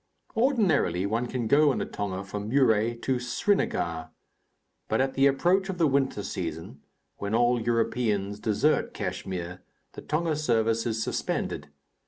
Ordinarily, one can go in a tonga from Muré to Srinagar; but at the approach of the winter season, when all Europeans desert Kachmyr, the tonga service is suspended.